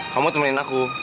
kamu temenin aku